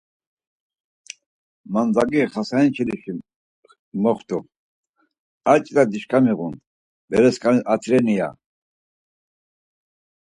Mandzageri Xasani çili moxtu, ar ç̆it̆a dişka miğun, bereskanis atireni ya…